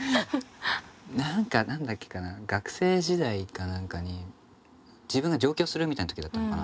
何か何だっけかな学生時代か何かに自分が上京するみたいな時だったのかな